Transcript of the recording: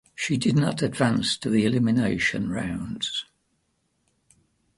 She did not advance to the elimination rounds.